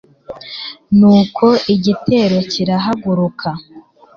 nuko igitero kirahaguruka